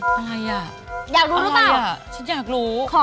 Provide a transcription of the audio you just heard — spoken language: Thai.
อะไรน่ะอะไรน่ะฉันอยากรู้อยากรู้หรือเปล่า